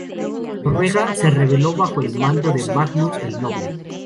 Noruega se rebeló bajo el mando de Magnus el Noble.